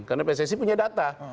karena pssc punya data